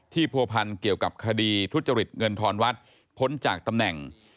ที่ผัวพันธุ์เกี่ยวกับคดีทุจริตเงินทรวรรดิ์พ้นจากตำแหน่ง